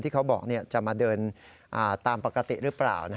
เขาบอกจะมาเดินตามปกติหรือเปล่า